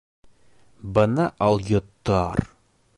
— Бына алйоттар!